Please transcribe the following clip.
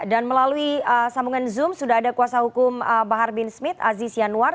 dan melalui sambungan zoom sudah ada kuasa hukum bahar bin smith aziz yanwar